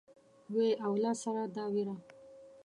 وي اولاد سره دا وېره